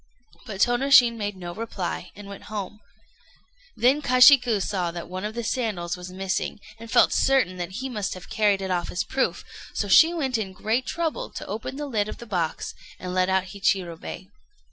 But Tônoshin made no reply, and went home. Then Kashiku saw that one of the sandals was missing, and felt certain that he must have carried it off as proof; so she went in great trouble to open the lid of the box, and let out Hichirobei.